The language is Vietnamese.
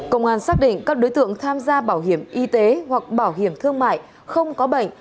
công an xác định các đối tượng tham gia bảo hiểm y tế hoặc bảo hiểm thương mại không có bệnh